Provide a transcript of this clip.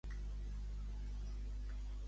Què és la Ilíada d'Hermoniakos?